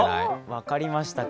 分かりました。